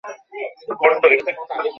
বিলু, নীলু কখন ফিরবে-বলে গেছে?